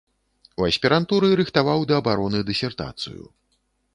У аспірантуры рыхтаваў да абароны дысертацыю.